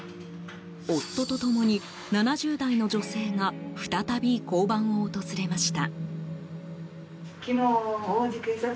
夫と共に７０代の女性が再び交番を訪れました。